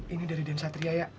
ini dari den satria ya